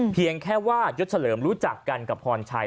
เพียงแค่ว่ายศเฉลิมรู้จักกันกับพรชัย